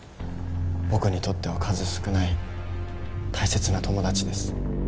僕にとっては数少ない大切な友達です。